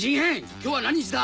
今日は何日だ